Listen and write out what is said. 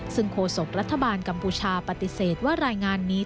ซึ่งโฆษกรัฐบาลกัมพูชาปฏิเสธว่ารายงานนี้